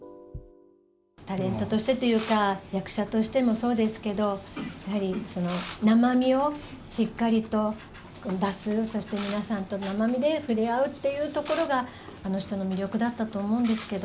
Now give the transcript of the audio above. タレントとしてというか、役者としてもそうですけど、やはり生身をしっかりと出す、そして皆さんと生身で触れ合うっていうところが、あの人の魅力だったと思うんですけど。